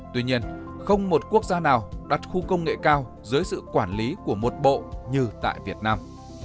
tuy nhiên không một quốc gia nào đặt khu công nghệ cao dưới sự quản lý của một bộ như tại việt nam